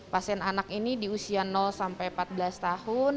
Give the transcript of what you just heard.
pasien anak ini di usia sampai empat belas tahun